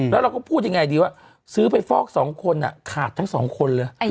แล้วเราก็พูดยังไงดีว่าซื้อไปฟอกสองคนขาดทั้งสองคนเลย